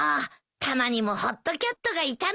タマにもホットキャットがいたのか。